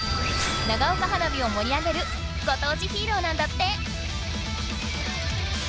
長岡花火をもり上げるご当地ヒーローなんだって！